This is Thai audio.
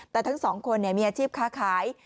แต่ทั้งสองคนมีอาชีพค้าขาย